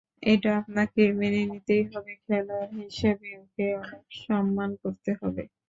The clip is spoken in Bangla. এটা আপনাকে মেনে নিতেই হবে, খেলোয়াড় হিসেবেও ওকে অনেক সম্মান করতে হবে।